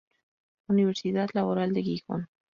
Universidad Laboral, de Gijón.